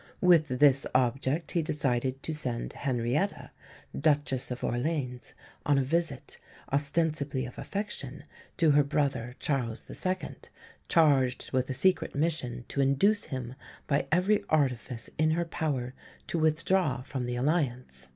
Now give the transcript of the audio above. With this object he decided to send Henrietta, Duchess of Orleans, on a visit, ostensibly of affection, to her brother Charles II., charged with a secret mission to induce him by every artifice in her power to withdraw from the alliance.